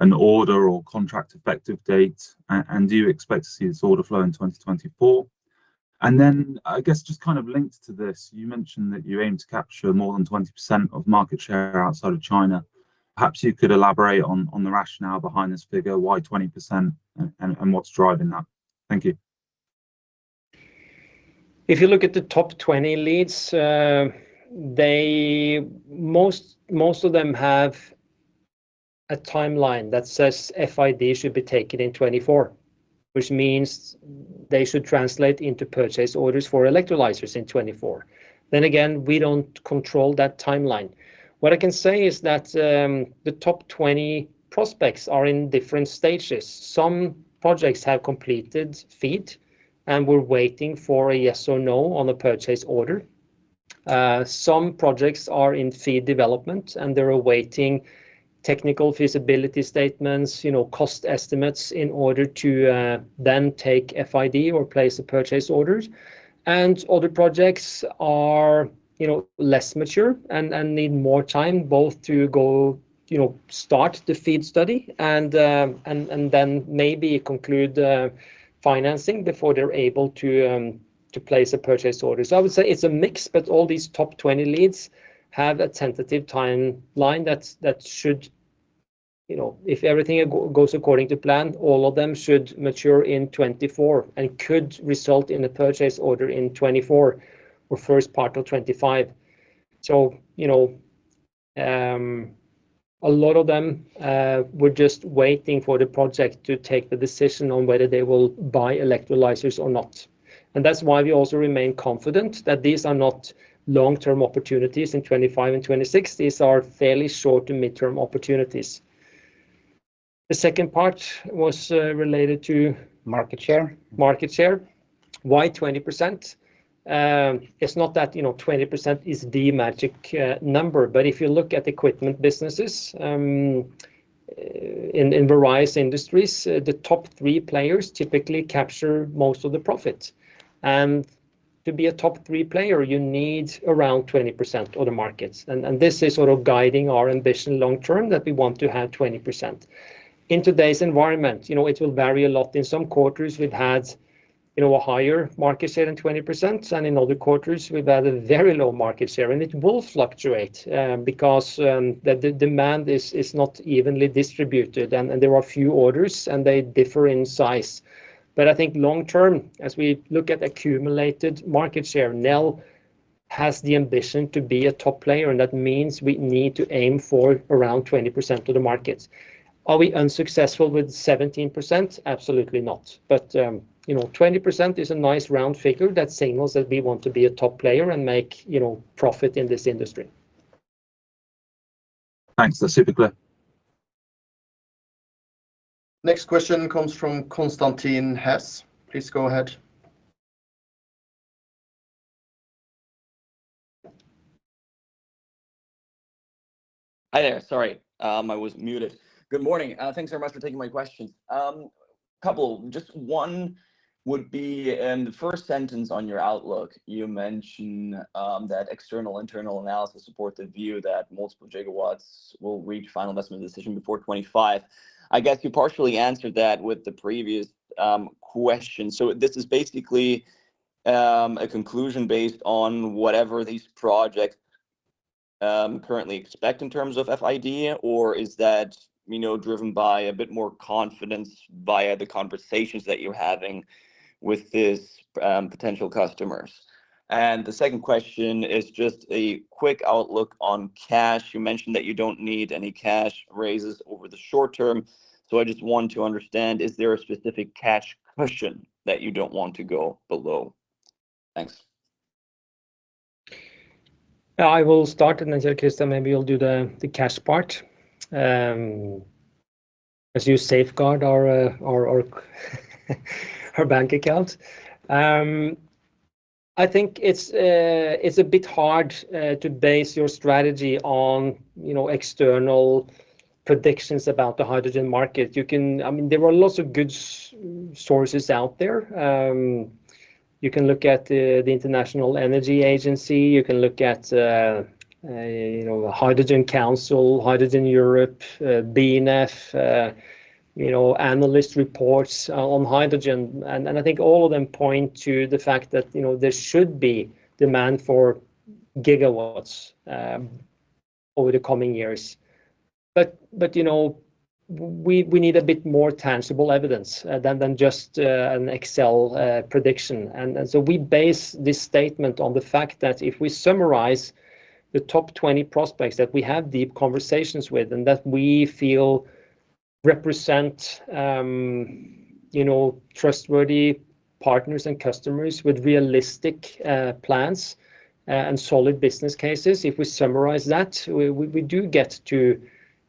an order or contract effective date, and do you expect to see this order flow in 2024? And then, I guess, just kind of linked to this, you mentioned that you aim to capture more than 20% of market share outside of China. Perhaps you could elaborate on the rationale behind this figure. Why 20%, and what's driving that? Thank you. If you look at the top 20 leads, they, most of them have a timeline that says FID should be taken in 2024, which means they should translate into purchase orders for electrolyzers in 2024. Then again, we don't control that timeline. What I can say is that, the top 20 prospects are in different stages. Some projects have completed FEED, and we're waiting for a yes or no on the purchase order. Some projects are in FEED development, and they're awaiting technical feasibility statements, you know, cost estimates, in order to, then take FID or place the purchase orders. And other projects are, you know, less mature and need more time both to go, you know, start the FEED study and, and then maybe conclude, financing before they're able to, to place a purchase order. So I would say it's a mix, but all these top 20 leads have a tentative timeline that's that should. You know, if everything goes according to plan, all of them should mature in 2024 and could result in a purchase order in 2024 or first part of 2025. So, you know, a lot of them, we're just waiting for the project to take the decision on whether they will buy electrolyzers or not, and that's why we also remain confident that these are not long-term opportunities in 2025 and 2026. These are fairly short- to mid-term opportunities. The second part was related to Market share market share. Why 20%? It's not that, you know, 20% is the magic number, but if you look at equipment businesses in various industries, the top three players typically capture most of the profit. And to be a top three player, you need around 20% of the markets, and this is sort of guiding our ambition long term, that we want to have 20%. In today's environment, you know, it will vary a lot. In some quarters, we've had, you know, a higher market share than 20%, and in other quarters, we've had a very low market share. And it will fluctuate because the demand is not evenly distributed, and there are few orders, and they differ in size. But I think long term, as we look at accumulated market share, Nel has the ambition to be a top player, and that means we need to aim for around 20% of the market. Are we unsuccessful with 17%? Absolutely not. But, you know, 20% is a nice round figure that signals that we want to be a top player and make, you know, profit in this industry. Thanks. That's super clear. Next question comes from Constantin Hesse. Please go ahead. Hi there. Sorry, I was muted. Good morning. Thanks so much for taking my questions. Couple, just one would be in the first sentence on your outlook, you mention, that external-internal analysis support the view that multiple gigawatts will reach final investment decision before 2025. I guess you partially answered that with the previous, question. So this is basically, a conclusion based on whatever these projects, currently expect in terms of FID, or is that, you know, driven by a bit more confidence via the conversations that you're having with these, potential customers? And the second question is just a quick outlook on cash. You mentioned that you don't need any cash raises over the short term. So I just want to understand, is there a specific cash cushion that you don't want to go below? Thanks. I will start, and then, Christian, maybe you'll do the cash part. As you safeguard our bank account. I think it's a bit hard to base your strategy on, you know, external predictions about the hydrogen market. You can, I mean, there are lots of good sources out there. You can look at the International Energy Agency, you can look at, you know, the Hydrogen Council, Hydrogen Europe, BNEF, you know, analyst reports on hydrogen. And I think all of them point to the fact that, you know, there should be demand for gigawatts over the coming years. But you know, we need a bit more tangible evidence than just an Excel prediction. We base this statement on the fact that if we summarize the top 20 prospects that we have deep conversations with, and that we feel represent, you know, trustworthy partners and customers with realistic plans, and solid business cases. If we summarize that, we do get to,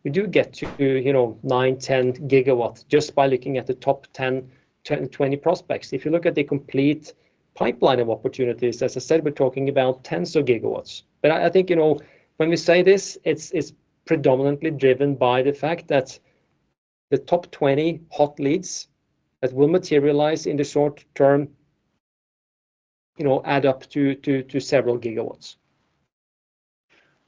you know, 9-10 gigawatts just by looking at the top 10-20 prospects. If you look at the complete pipeline of opportunities, as I said, we're talking about tens of gigawatts. But I think, you know, when we say this, it's predominantly driven by the fact that the top 20 hot leads that will materialize in the short term, you know, add up to several gigawatts.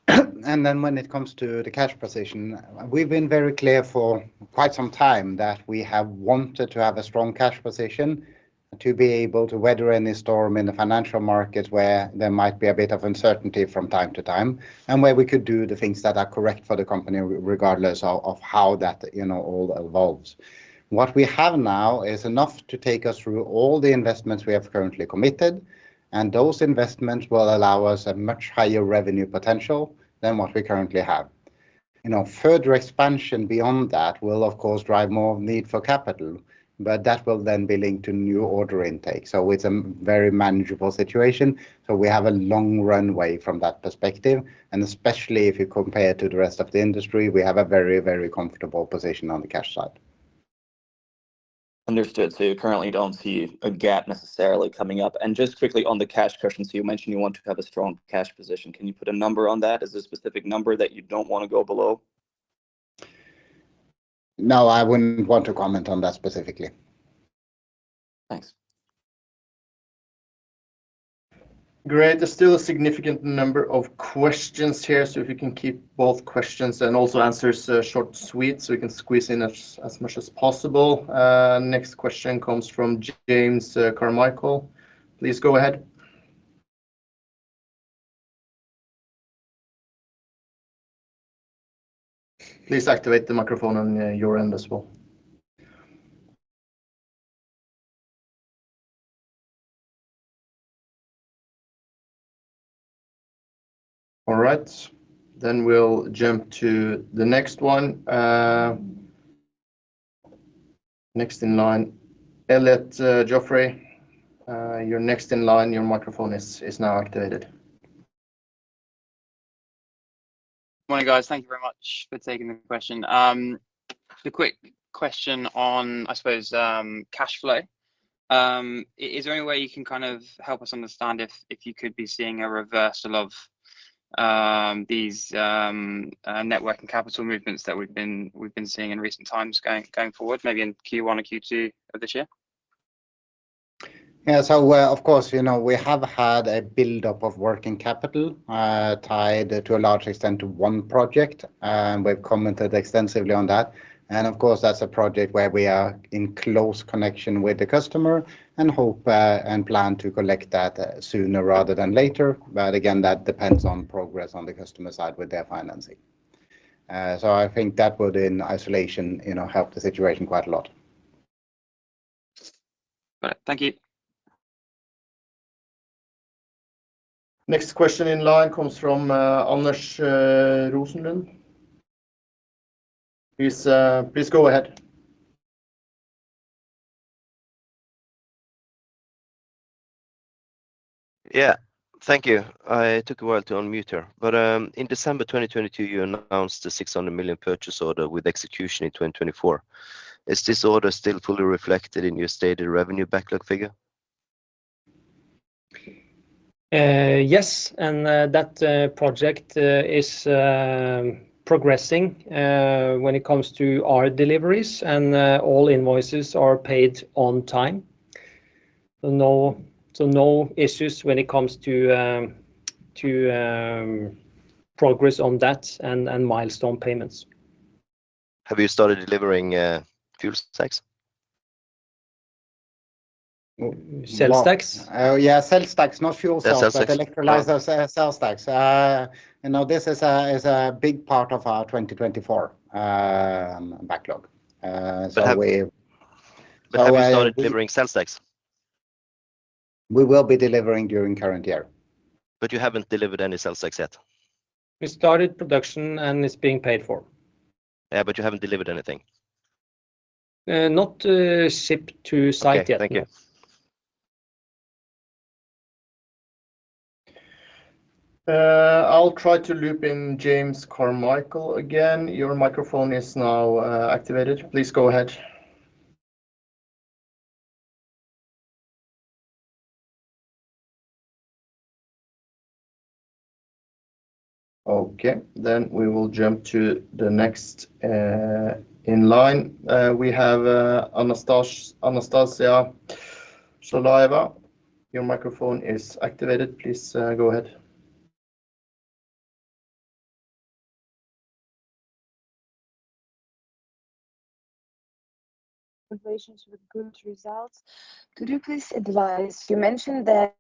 Then when it comes to the cash position, we've been very clear for quite some time that we have wanted to have a strong cash position to be able to weather any storm in the financial market where there might be a bit of uncertainty from time to time, and where we could do the things that are correct for the company, regardless of how that, you know, all evolves. What we have now is enough to take us through all the investments we have currently committed, and those investments will allow us a much higher revenue potential than what we currently have. You know, further expansion beyond that will, of course, drive more need for capital, but that will then be linked to new order intake. It's a very manageable situation. We have a long runway from that perspective, and especially if you compare to the rest of the industry, we have a very, very comfortable position on the cash side. Understood. You currently don't see a gap necessarily coming up. Just quickly on the cash question, you mentioned you want to have a strong cash position. Can you put a number on that? Is there a specific number that you don't want to go below? No, I wouldn't want to comment on that specifically. Thanks. Great. There's still a significant number of questions here, so if you can keep both questions and also answers short and sweet, so we can squeeze in as much as possible. Next question comes from James Carmichael. Please go ahead. Please activate the microphone on your end as well. All right, then we'll jump to the next one, next in line. Elliott Geoffrey, you're next in line. Your microphone is now activated. Morning, guys. Thank you very much for taking the question. A quick question on, I suppose, cash flow. Is there any way you can kind of help us understand if you could be seeing a reversal of these network and capital movements that we've been seeing in recent times going forward, maybe in Q1 or Q2 of this year? Yeah. So, of course, you know, we have had a buildup of working capital, tied to a large extent to one project, and we've commented extensively on that. And of course, that's a project where we are in close connection with the customer and hope, and plan to collect that sooner rather than later. But again, that depends on progress on the customer side with their financing. So I think that would, in isolation, you know, help the situation quite a lot. All right. Thank you. Next question in line comes from Anders Rosenlund. Please, please go ahead. Yeah. Thank you. I took a while to unmute here, but in December 2022, you announced a 600 million purchase order with execution in 2024. Is this order still fully reflected in your stated revenue backlog figure? Yes, and that project is progressing when it comes to our deliveries, and all invoices are paid on time. No, so no issues when it comes to progress on that and milestone payments. Have you started delivering fuel stacks? Cell stacks? Oh, yeah, cell stacks, not fuel cells- Yeah, cell stacks. but electrolyzer cell stacks. You know, this is a big part of our 2024 backlog. So we But have you So I But have you started delivering cell stacks? We will be delivering during current year. You haven't delivered any cell stacks yet? We started production, and it's being paid for. Yeah, but you haven't delivered anything. Not shipped to site yet. Okay, thank you. I'll try to loop in James Carmichael again. Your microphone is now activated. Please go ahead. Okay, then we will jump to the next in line. We have Anastasia Shalaeva. Your microphone is activated. Please go ahead. Congratulations with good results. Could you please advise? You mentioned that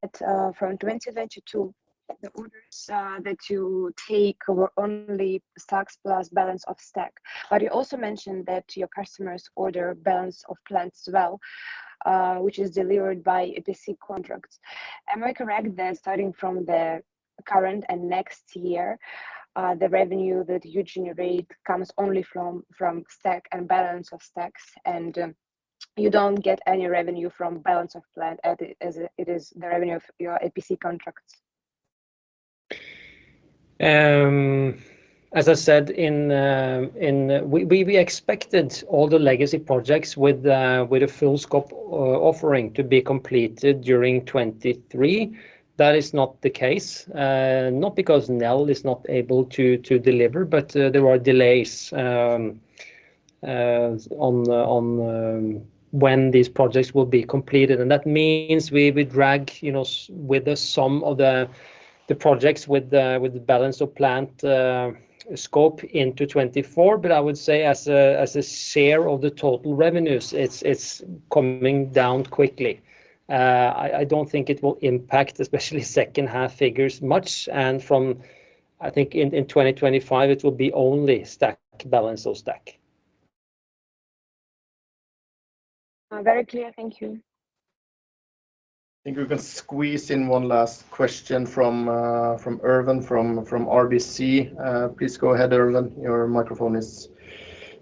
from 2022, the orders that you take were only stacks plus balance of stack. But you also mentioned that your customers order balance of plants as well, which is delivered by EPC contracts. Am I correct that starting from the current and next year, the revenue that you generate comes only from stack and balance of stacks, and you don't get any revenue from balance of plant as it is the revenue of your EPC contracts? As I said, we expected all the legacy projects with a full scope offering to be completed during 2023. That is not the case. Not because Nel is not able to deliver, but there are delays on when these projects will be completed. And that means we drag, you know, with us some of the projects with the balance of plant scope into 2024. But I would say as a share of the total revenues, it's coming down quickly. I don't think it will impact, especially second half figures much, and from, I think in 2025, it will be only stack, balance of stack. Very clear. Thank you. I think we can squeeze in one last question from Erwan from RBC. Please go ahead, Erwan. Your microphone is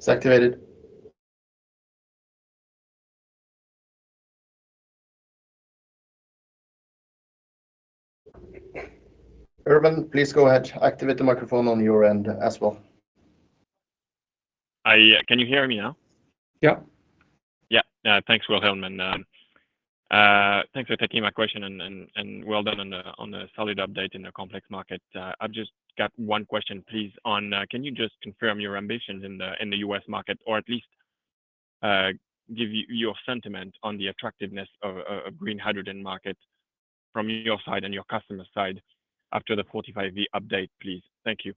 activated. Erwan, please go ahead. Activate the microphone on your end as well. Can you hear me now? Yeah. Yeah. Yeah, thanks, Wilhelm, and thanks for taking my question and well done on the solid update in a complex market. I've just got one question, please, on, Can you just confirm your ambitions in the U.S. market, or at least give your sentiment on the attractiveness of a green hydrogen market from your side and your customer side after the 45 update, please? Thank you.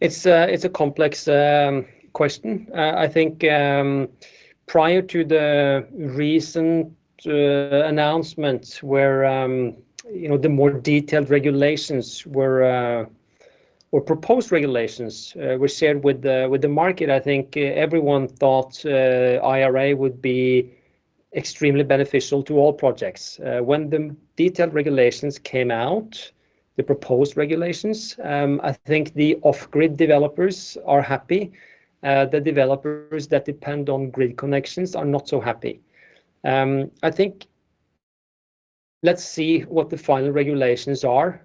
It's a complex question. I think, prior to the recent announcement, where you know, the more detailed regulations were or proposed regulations were shared with the market, I think everyone thought IRA would be extremely beneficial to all projects. When the detailed regulations came out, the proposed regulations, I think the off-grid developers are happy. The developers that depend on grid connections are not so happy. I think let's see what the final regulations are.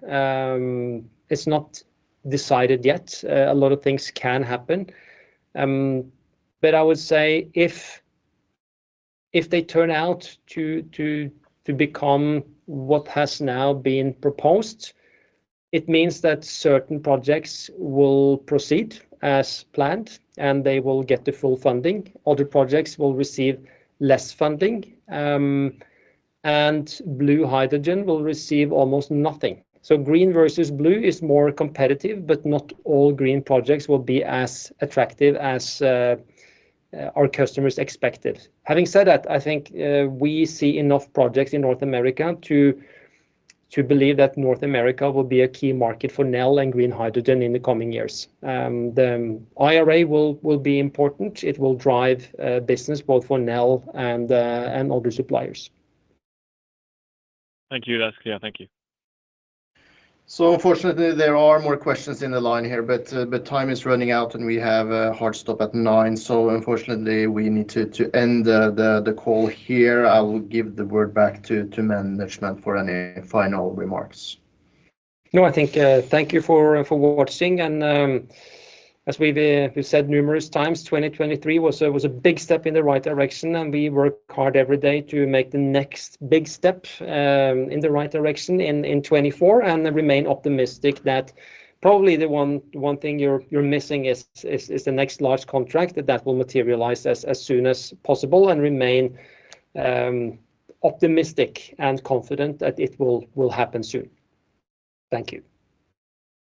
It's not decided yet. A lot of things can happen. But I would say if they turn out to become what has now been proposed, it means that certain projects will proceed as planned, and they will get the full funding. Other projects will receive less funding. And blue hydrogen will receive almost nothing. So green versus blue is more competitive, but not all green projects will be as attractive as our customers expected. Having said that, I think we see enough projects in North America to believe that North America will be a key market for Nel and green hydrogen in the coming years. The IRA will be important. It will drive business both for Nel and other suppliers. Thank you. That's clear. Thank you. Unfortunately, there are more questions in line here, but time is running out, and we have a hard stop at 9:00 A.M. Unfortunately, we need to end the call here. I will give the word back to management for any final remarks. No, I think, thank you for watching, and, as we've said numerous times, 2023 was a big step in the right direction, and we work hard every day to make the next big step in the right direction in 2024. And I remain optimistic that probably the one thing you're missing is the next large contract, that will materialize as soon as possible, and remain optimistic and confident that it will happen soon. Thank you.